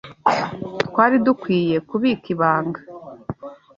Twari dukwiye kubika ibanga.